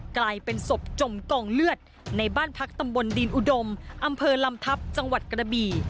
กลายเป็นศพจมกองเลือดในบ้านพักตำบลดินอุดมอำเภอลำทัพจังหวัดกระบี่